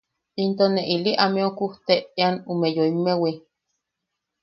Into ne ili ameu kujteʼean ume yoimmewi.